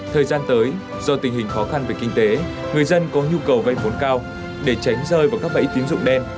thời gian tới do tình hình khó khăn về kinh tế người dân có nhu cầu vay vốn cao để tránh rơi vào các bẫy tín dụng đen